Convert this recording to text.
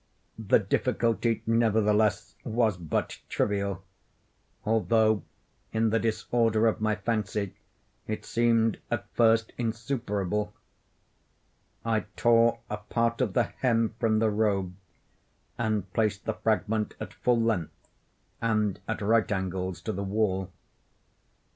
The difficulty, nevertheless, was but trivial; although, in the disorder of my fancy, it seemed at first insuperable. I tore a part of the hem from the robe and placed the fragment at full length, and at right angles to the wall.